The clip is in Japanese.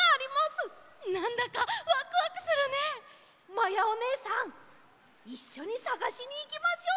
まやおねえさんいっしょにさがしにいきましょう！